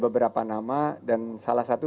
beberapa nama dan salah satu